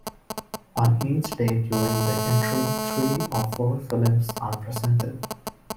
On each day during the interim three or four films are presented.